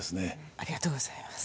ありがとうございます。